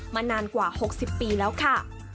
นานกว่า๖๐ปีแล้วค่ะ